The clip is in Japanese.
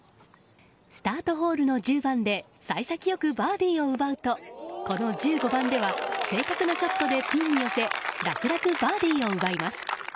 スタートホールの１０番で幸先良くバーディーを奪うとこの１５番では正確なショットでピンに寄せ楽々バーディーを奪います。